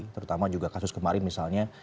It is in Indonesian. terutama juga kasus kemarin misalnya